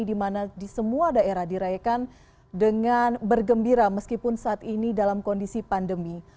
di mana di semua daerah dirayakan dengan bergembira meskipun saat ini dalam kondisi pandemi